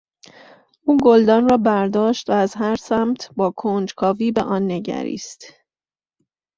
او گلدان را برداشت و از هر سمت با کنجکاوی به آن نگریست.